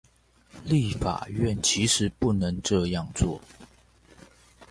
立法院其實不能這樣做